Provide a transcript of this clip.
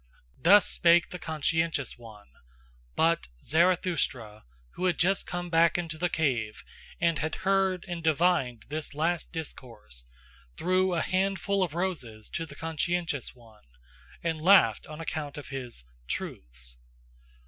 Thus spake the conscientious one; but Zarathustra, who had just come back into his cave and had heard and divined the last discourse, threw a handful of roses to the conscientious one, and laughed on account of his "truths."